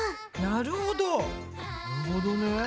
なるほどね。